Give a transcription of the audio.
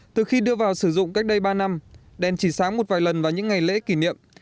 từ khi đưa vào sử dụng cách đây ba năm đèn chỉ sáng một vài lần vào những ngày lễ kỷ niệm